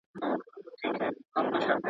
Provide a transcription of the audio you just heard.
چاري و سوې، چي پاته ناچاري سوې.